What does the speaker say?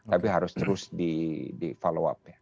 tapi harus terus di follow up ya